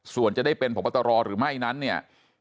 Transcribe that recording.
ส่วนจะได้เป็นพบตรหรือไม่นั้นเนี่ย